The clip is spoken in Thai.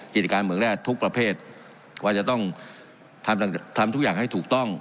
กิจการเมืองแร่ทุกประเภทว่าจะต้องทำทุกอย่างให้ถูกต้อง